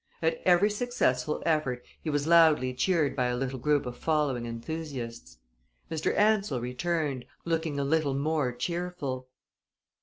At every successful effort he was loudly cheered by a little group of following enthusiasts. Mr. Ansell returned, looking a little more cheerful.